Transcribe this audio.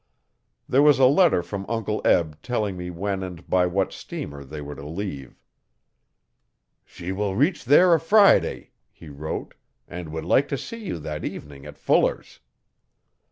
There was a letter from Uncle Eb telling me when and by what steamer they were to leave. 'She will reach there a Friday,' he wrote, 'and would like to see you that evening at Fuller's'.